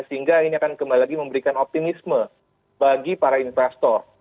sehingga ini akan kembali lagi memberikan optimisme bagi para investor